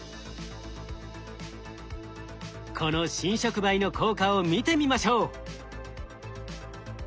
この新触媒の効果を見てみましょう。